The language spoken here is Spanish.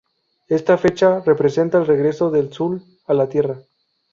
Esta fecha representa el regreso del sul a la tierra.